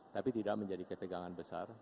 tapi tidak menjadi ketegangan besar